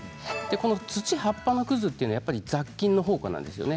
この土や葉っぱのくずというのはやっぱり雑菌の宝庫なんですね。